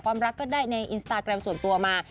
รักก็ได้ในอินสตาแกรมส่วนตัวมา